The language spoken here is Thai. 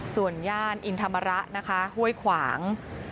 ส่วนย่านอินธรรมระนะคะห้วยขวาง